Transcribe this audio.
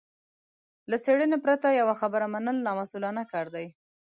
له څېړنې پرته يوه خبره منل نامسوولانه کار دی.